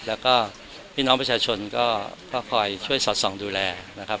แล้วก็พี่น้องประชาชนก็คอยช่วยสอดส่องดูแลนะครับ